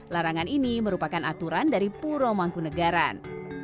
larangan ini merupakan aturan dari puro mangkunagaran